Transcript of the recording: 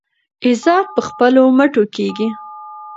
عزت په خپلو مټو کیږي.